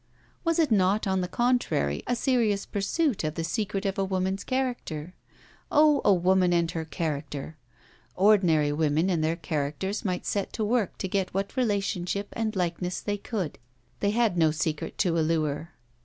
Was it not, on the contrary, a serious pursuit of the secret of a woman's character? Oh, a woman and her character! Ordinary women and their characters might set to work to get what relationship and likeness they could. They had no secret to allure.